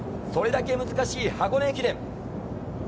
それだけ難しい箱根駅伝。